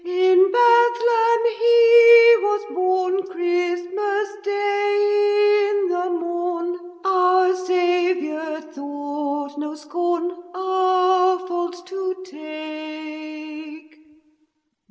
In Bethlehem He was born, Christmas day i' the morn: Our Saviour thought no scorn Our faults to take.